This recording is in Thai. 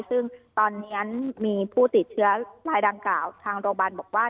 ซึ่งตอนนี้มีผู้ติดเชื้อรายดังกล่าวทางโรงพยาบาลบอกว่า